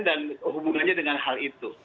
dan hubungannya dengan hal itu